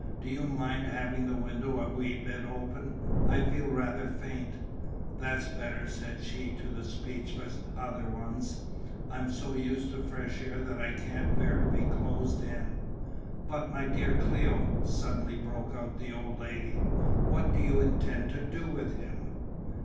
Do you mind having the window a wee bit open? I feel rather faint." "That's better," said she to the speechless other ones, "I'm so used to fresh air that I can't bear to be closed in." "But my dear Cléo," suddenly broke out the old lady, "what do you intend to do with him?"